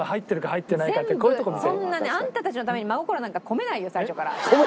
全部そんなねあんたたちのために真心なんか込めないよ最初から。